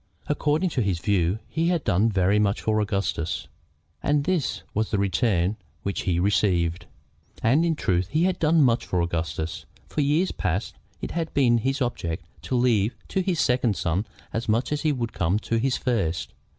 According to his view, he had done very much for Augustus, and this was the return which he received! And in truth he had done much for Augustus. For years past it had been his object to leave to his second son as much as would come to his first.